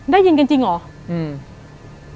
ได้ยินกันจริงเหรออืม